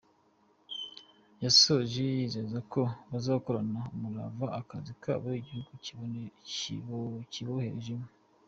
Yasoje yizeza ko bazakorana umurava akazi kabo igihugu kiboherejemo.